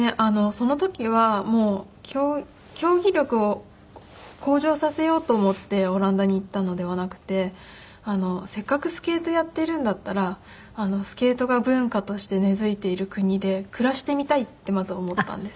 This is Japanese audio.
その時はもう競技力を向上させようと思ってオランダに行ったのではなくてせっかくスケートやっているんだったらスケートが文化として根づいている国で暮らしてみたいってまず思ったんです。